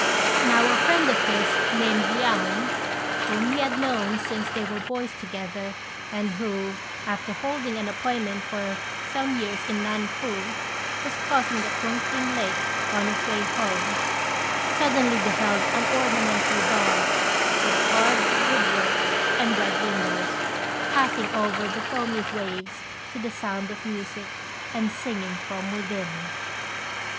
Now a friend of his, named Liang, whom he had known since they were boys together, and who, after holding an appointment for some years in Nan fu, was crossing the Tung t'ing Lake, on his way home, suddenly beheld an ornamental barge, with carved wood work and red windows, passing over the foamy waves to the sound of music and singing from within.